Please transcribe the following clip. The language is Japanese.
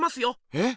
えっ？